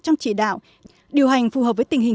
trong chỉ đạo điều hành phù hợp với tình hình